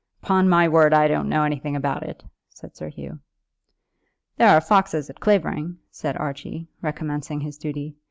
"Upon my word I don't know anything about it," said Sir Hugh. "There are foxes at Clavering," said Archie, recommencing his duty.